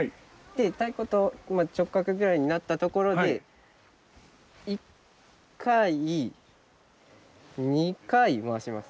太鼓と直角ぐらいになったところで１回２回回します。